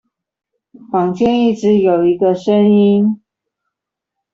坊間一直有一個聲音